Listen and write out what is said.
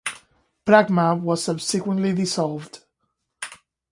Pragma was subsequently dissolved.